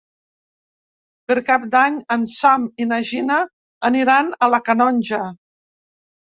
Per Cap d'Any en Sam i na Gina aniran a la Canonja.